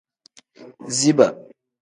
Ziba.